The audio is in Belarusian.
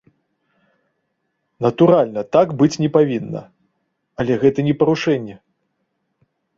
Натуральна, так быць не павінна, але гэта не парушэнне.